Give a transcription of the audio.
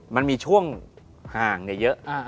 มันมีช่วงห่างเนี่ยเยอะ